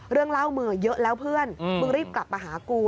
เรื่องเล่ามือเยอะแล้วเพื่อนมึงรีบกลับมาหากู